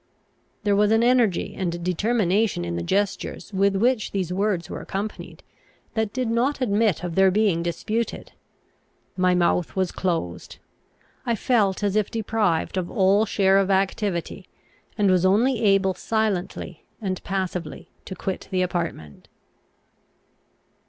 There was an energy and determination in the gestures with which these words were accompanied, that did not admit of their being disputed. My mouth was closed; I felt as if deprived of all share of activity, and was only able silently and passively to quit the apartment.